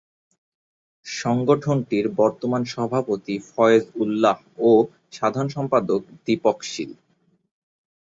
সংগঠনটির বর্তমান সভাপতি ফয়েজ উল্লাহ ও সাধারণ সম্পাদক দীপক শীল।